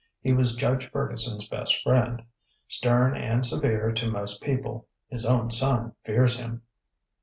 He was Judge Ferguson's best friend. Stern and severe to most people. His own son fears him.